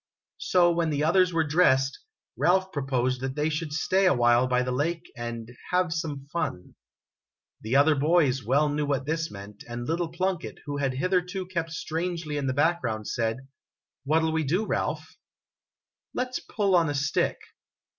So, when the others were dressed, Ralph proposed that they should stay a while by the lake and " have some fun." The other boys well knew what this meant, and little Plunkett, who had hitherto kept strangely in the background, said: "What '11 we do, Ralph ?"" Let 's pull on a stick."